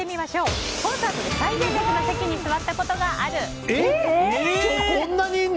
コンサートで最前列の席に座ったことがある。